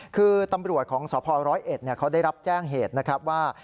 คือตำรวจของสพร้อยเอ็ดเขาได้รับแจ้งเหตุนะครับว่า